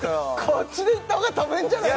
こっちでいったほうが飛ぶんじゃない？